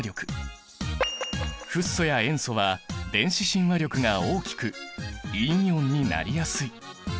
フッ素や塩素は電子親和力が大きく陰イオンになりやすい。